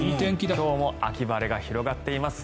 今日も秋晴れが広がっています。